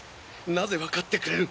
なぜ分かってくれぬ？